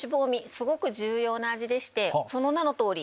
すごく重要な味でしてその名の通り。